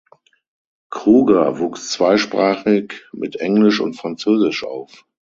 Kruger wuchs zweisprachig mit Englisch und Französisch auf.